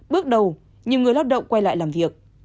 bước đầu nhiều người lao động quay lại làm việc